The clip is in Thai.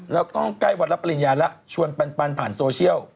แล้วก็ใกล้วันรับปริญญาแล้วชวนปันผ่านโซเชียล